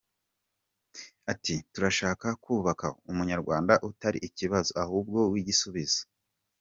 Ati “turashaka kubaka umunyarwanda utari ikibazo, ahubwo w’igisubizo.